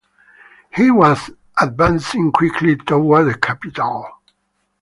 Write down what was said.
He was advancing quickly toward the capital.